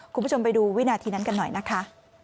คุณผู้ชมไปดูวินาทีนั้นกันหน่อยนะคะ